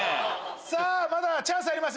まだチャンスあります